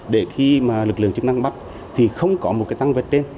để khi mà lực lượng chức năng bắt thì không có một cái tăng vật trên